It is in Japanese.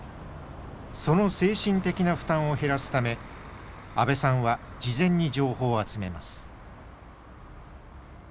その精神的な負担を減らすため阿部さんは事前に情報を集めます。